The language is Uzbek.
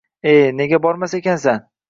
— E, nega bormas ekansan?..